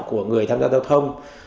của người tham gia giao thông